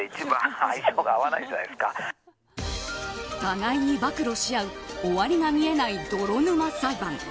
互いに暴露し合う終わりが見えない泥沼裁判。